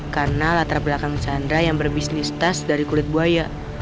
karena latar belakang chandra yang berbisnis tas dari kulit buaya